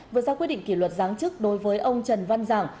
vừa ra quyết định kỷ luật giáng chức đối với ông trần văn giảng